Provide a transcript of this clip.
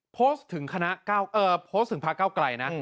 โพสต์ถึงภาคกล้าวไกรนะ